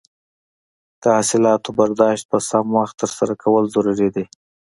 د حاصلاتو برداشت په سم وخت ترسره کول ضروري دي.